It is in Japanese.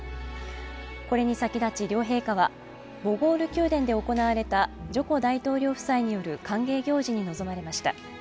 これに先立ち両陛下はボゴール宮殿で行われたジョコ大統領夫妻による歓迎行事に臨まれました。